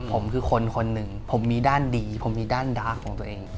ผมคือคนคนหนึ่งผมมีด้านดีผมมีด้านดาร์กของตัวเอง